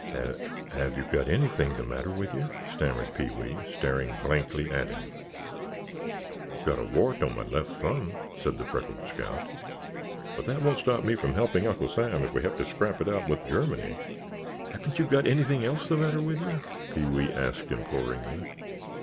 "Have—have you got anything the matter with you?" stammered Pee wee, staring blankly at him. "I've got a wart on my left thumb," said the freckled scout, "but that won't stop me helping Uncle Sam if we have to scrap it out with Germany." "Haven't you got anything else the matter with you?" Pee wee asked imploringly.